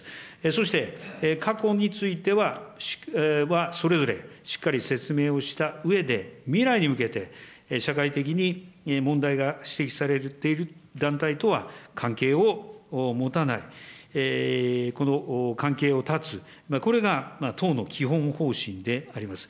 そして、過去についてはそれぞれしっかり説明をしたうえで、未来に向けて、社会的に問題が指摘されている団体とは、関係を持たない、この関係を断つ、これが党の基本方針であります。